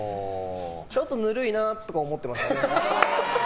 ちょっとぬるいなとか思っていました。